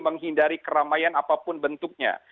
menghindari keramaian apapun bentuknya